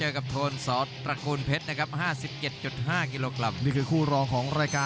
รับทราบรับทราบ